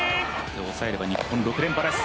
抑えれば日本６連覇です。